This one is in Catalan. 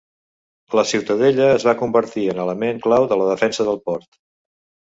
La ciutadella es va convertir en l'element clau de la defensa del port.